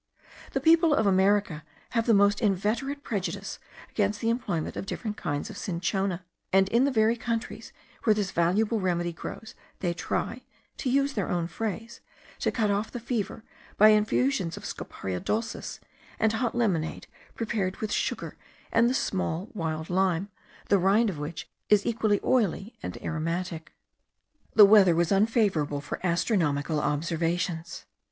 The people of America have the most inveterate prejudice against the employment of different kinds of cinchona; and in the very countries where this valuable remedy grows, they try (to use their own phrase) to cut off the fever, by infusions of Scoparia dulcis, and hot lemonade prepared with sugar and the small wild lime, the rind of which is equally oily and aromatic. The weather was unfavourable for astronomical observations.